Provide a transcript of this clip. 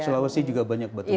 di sulawesi juga banyak batu mulia